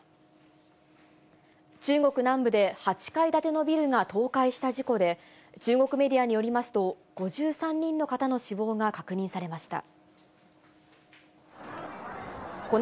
中国南部で、８階建てのビルが倒壊した事故で、中国メディアによりますと、５３人の方の死亡が確認されました。